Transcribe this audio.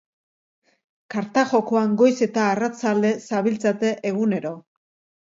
Karta jokoan goiz eta arratsalde zabiltzate egunero.